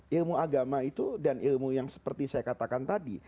ilmu agama itu dan ilmu yang seperti saya katakan tadi